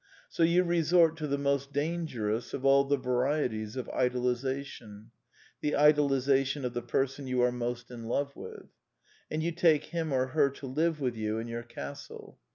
So you resort to the most dangerous of all the varieties of idolization : the idolization of the person you are most in love with; and you take him or her to live with you in your castle.